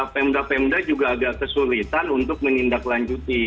pemda pemda juga agak kesulitan untuk menindaklanjuti